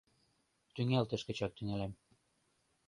Тӱҥалтыш гычак тӱҥалам.